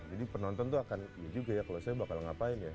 jadi penonton itu akan ya juga ya kalau saya bakal ngapain ya